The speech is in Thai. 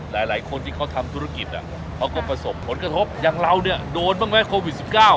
หลายคนที่เขาทำธุรกิจเขาก็ประสบผลกระทบอย่างเราเนี่ยโดนบ้างไหมโควิด๑๙